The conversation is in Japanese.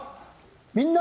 「みんな！